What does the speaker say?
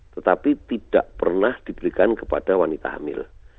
tetapi tidak pernah diberikan kepada wanita hamil